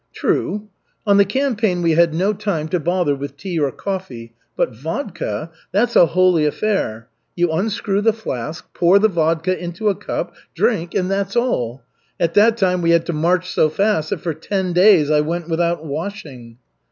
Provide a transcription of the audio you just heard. "True. On the campaign we had no time to bother with tea or coffee. But vodka that's a holy affair. You unscrew the flask, pour the vodka into a cup, drink, and that's all. At that time we had to march so fast that for ten days I went without washing."